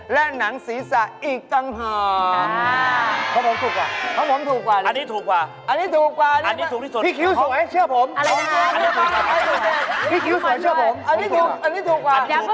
และหนังศีรษะอีกต่างหาก